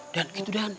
dan gitu dan